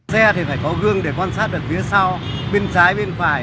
xe thì phải có gương để quan sát được phía sau bên trái bên phải